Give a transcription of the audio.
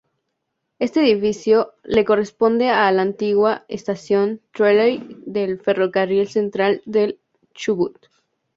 Este edificio le corresponde a la antigua Estación Trelew del Ferrocarril Central del Chubut.